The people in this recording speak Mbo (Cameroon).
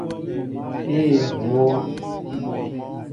Ee, ŋ wóó.